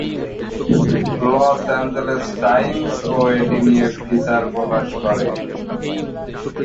Loss Angeles Times ও এটি নিয়ে ফিচার প্রকাশ করে।